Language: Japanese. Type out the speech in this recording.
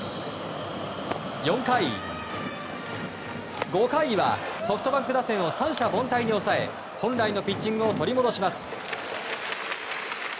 ４回、５回はソフトバンク打線を三者凡退に抑え本来のピッチングを取り戻します。